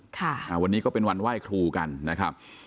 ค่ะอ่าวันนี้ก็เป็นวันไหว้ครูกันนะครับ